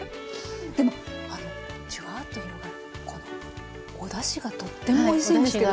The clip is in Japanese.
でもあのじゅわっと広がるこのおだしがとってもおいしいんですけど。